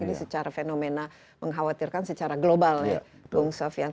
ini secara fenomena mengkhawatirkan secara global ya bung sofian